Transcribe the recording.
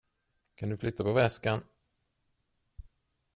Kan du flytta på väskan?